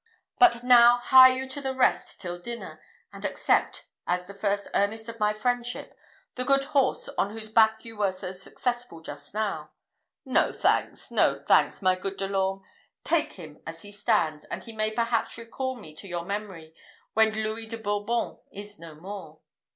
But now hie you to the rest till dinner; and accept, as a first earnest of my friendship, the good horse on whose back you were so successful just now. No thanks! no thanks, my good De l'Orme! Take him as he stands; and he may perhaps recall me to your memory when Louis de Bourbon is no more."